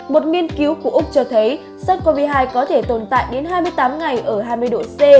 một nghiên cứu của úc cho thấy sars cov hai có thể tồn tại đến hai mươi tám ngày ở hai mươi độ c